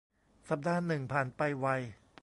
สัปดาห์หนึ่งผ่านไปไว